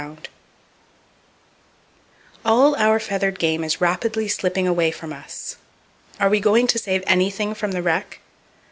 35 All our feathered game is rapidly slipping away from us. Are we going to save anything from the wreck?